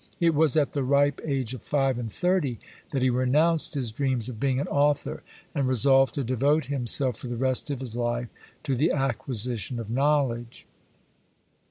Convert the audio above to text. It was at the ripe age of five and thirty that he renounced his dreams of being an author, and resolved to devote himself for the rest of his life to the acquisition of knowledge.